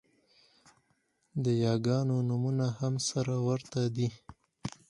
د یاګانو نومونه هم سره ورته دي